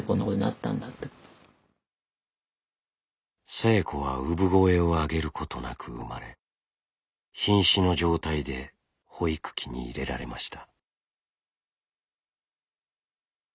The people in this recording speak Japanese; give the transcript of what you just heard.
星子は産声を上げることなく産まれひん死の状態で保育器に入れられました。